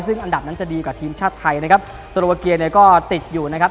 ซึ่งอันดับนั้นจะดีกว่าทีมชาติไทยนะครับโซโลวาเกียเนี่ยก็ติดอยู่นะครับ